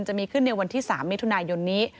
จะมีขึ้นในวันที่๓มิถุนายนนี้